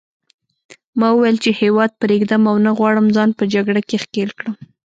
ما وویل چې هیواد پرېږدم او نه غواړم ځان په جګړه کې ښکېل کړم.